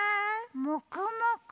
もくもく？